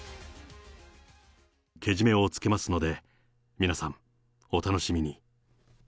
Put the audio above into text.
けじめをつけますので、皆さん、お楽しみに。